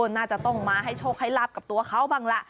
น่าจะต้องมาให้โชคให้ลาบกับตัวเขาบ้างล่ะ